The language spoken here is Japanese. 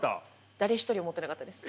誰一人思ってなかったです。